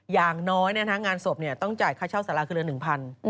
อย่างน้อยงานศพต้องจ่ายค่าเช่าสาราคือละ๑๐๐บาท